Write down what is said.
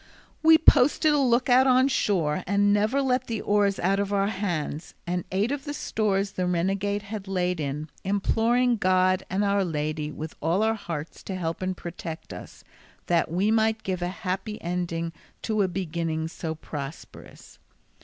We posted a look out on shore, and never let the oars out of our hands, and ate of the stores the renegade had laid in, imploring God and Our Lady with all our hearts to help and protect us, that we might give a happy ending to a beginning so prosperous.